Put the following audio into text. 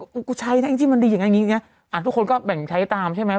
กูใช้นะแองจี้มันดีอย่างงี้อย่างเงี้อ่ะทุกคนก็แบ่งใช้ตามใช่ไหม